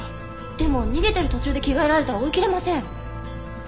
でも逃げてる途中で着替えられたら追いきれません。